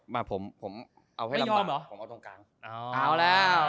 ไม่ยอมเหรอ